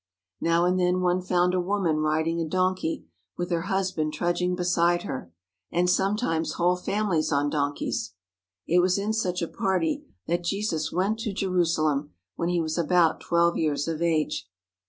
Now and then one found a woman riding a donkey, with her husband trudging beside her, and sometimes whole families on donkeys. It was in such a party that Jesus went to Jerusalem when He was about twelve years of age.